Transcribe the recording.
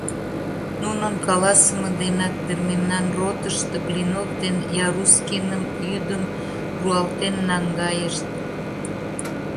Нунын каласыме денак дыр мемнан ротышто Блинов ден Ярускиным йӱдым руалтен наҥгайышт.